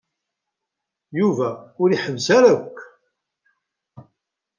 Yuba ur iḥebbes ara akk.